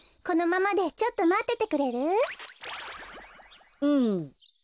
このままでちょっとまっててくれる？